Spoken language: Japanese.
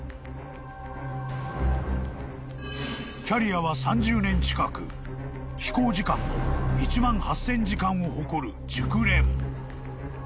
［キャリアは３０年近く飛行時間も１万８，０００時間を誇る熟練］